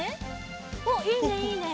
おっいいねいいね！